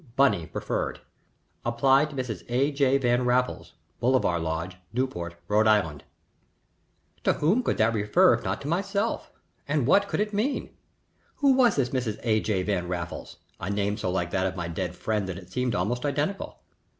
BUNNY preferred. Apply to Mrs. A. J. Van Raffles, Bolivar Lodge, Newport, R.I." To whom could that refer if not to myself, and what could it mean? Who was this Mrs. A. J. Van Raffles? a name so like that of my dead friend that it seemed almost identical.